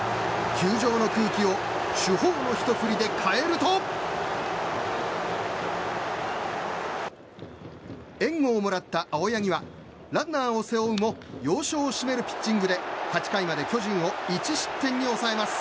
球場の空気を主砲のひと振りで変えると援護をもらった青柳はランナーを背負うも要所を締めるピッチングで８回まで巨人を１失点に抑えます。